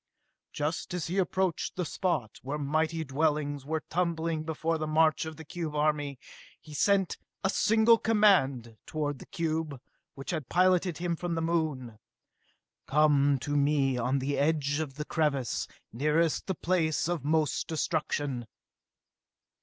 Just as he approached the spot where mighty dwellings were tumbling before the march of the cube army, he sent a single command toward the cube which had piloted him from the Moon. "Come to me on the edge of the crevasse nearest the place of most destruction!"